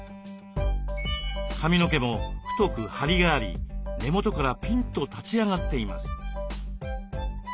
髪の毛も太くハリがあり根元からピンと立ち上がっています。